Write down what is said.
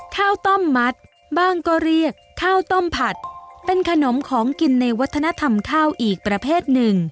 ข้าวต้มมัดบ้างก็เรียกข้าวต้มผัดเป็นขนมของกินในวัฒนธรรมข้าวอีกประเภทหนึ่ง